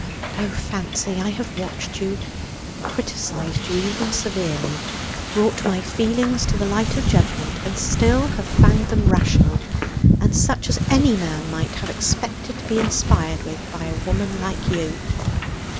O Fancy, I have watched you, criticized you even severely, brought my feelings to the light of judgment, and still have found them rational, and such as any man might have expected to be inspired with by a woman like you!